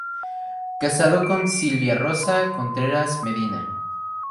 Casado con Silvia Rosa Contreras Medina.